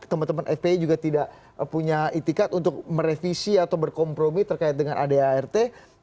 teman teman fpi juga tidak punya itikat untuk merevisi atau berkompromi terkait dengan adart